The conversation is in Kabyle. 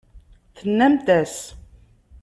Tennamt-as.